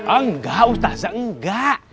enggak ustazah enggak